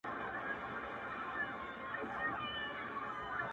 خو هغې دغه ډالۍ.